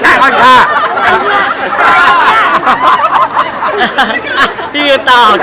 มีผิดกล้าดกั้วนัฐกรรษเท่าไหร่